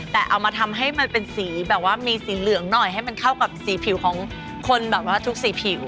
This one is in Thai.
แต่เอามาทำให้มันเป็นสีแบบว่ามีสีเหลืองหน่อยให้มันเข้ากับสีผิวของคนแบบว่าทุกสีผิว